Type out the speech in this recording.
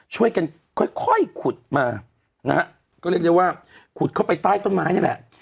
ช่วยกันค่อยขุดมานะฮะก็เรียกได้ว่าขุดเข้าไปใต้ต้นไม้นี่แหละ